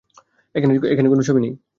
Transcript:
এখানে ছবি নেই।